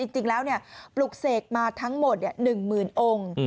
จริงแล้วปลุกเสกมาทั้งหมด๑๐๐๐องค์